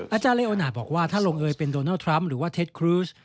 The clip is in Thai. อาจารย์เลโอนาจบอกว่าถ้าลงเอยเป็นโดนัลดทรัมป์หรือว่าเท็จครูส